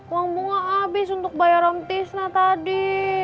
uang bunga abis untuk bayar om tisna tadi